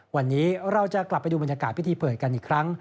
วันนี้เราจะกลับไปดูบรรยากาศพิธีเปิดกันอีกครั้ง